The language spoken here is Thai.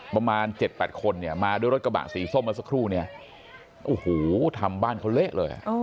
ประมาณ๗๘คนเนี่ยมาด้วยรถกระบะสีส้มเมื่อสักครู่เนี่ยโอ้โหทำบ้านเขาเละเลย